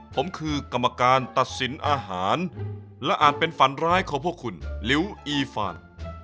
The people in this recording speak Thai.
ผมคือกรรมการตัดสินอาหารและอาจเป็นฝันร้ายของพวกคุณลิวอีฟาน